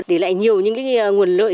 để lại nhiều những nguồn lợi